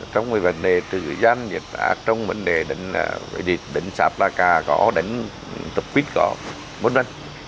trong vấn đề trừ gian nhiệt ác trong vấn đề đánh sạp la cà có đánh tập kích có mất văn